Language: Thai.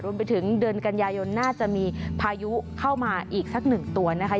ไปถึงเดือนกันยายนน่าจะมีพายุเข้ามาอีกสักหนึ่งตัวนะคะ